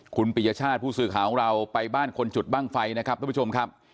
คุณปิยชาติผู้สื่อข่าวของเราไปบ้านคนจุดบ้างไฟนะครับทุกผู้ชมครับ